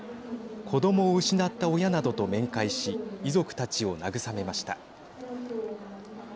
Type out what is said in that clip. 子どもを失った親などと面会し遺族たちを慰めました。